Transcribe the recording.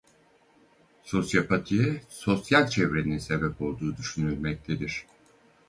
Sosyopatiye sosyal çevrenin sebep olduğu düşünülmektedir.